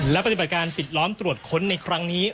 และปฏิบัติการปิดล้อมตรวจค้นในครั้งนี้